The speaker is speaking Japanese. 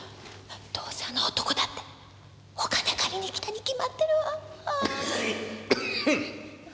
どうせあの男だってお金借りに来たにきまってるわ！